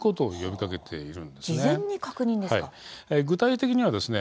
具体的にはですね